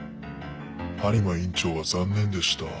播磨院長は残念でした。